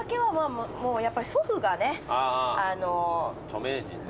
著名人で。